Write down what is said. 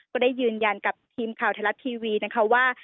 ก็ได้ยืนยันกับทีมข่าวไทยรัฐทีวีนะคะว่า